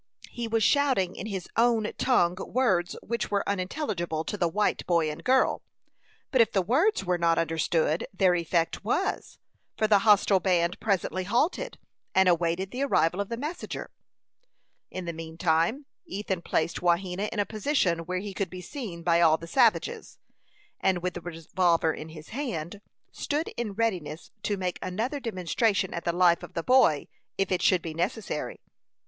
He was shouting in his own tongue words which were unintelligible to the white boy and girl. But if the words were not understood, their effect was, for the hostile band presently halted, and awaited the arrival of the messenger. In the mean time Ethan placed Wahena in a position where he could be seen by all the savages, and with the revolver in his hand, stood in readiness to make another demonstration at the life of the boy if it should be necessary.